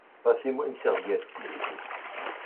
Passez-moi une serviette s'il vous plait.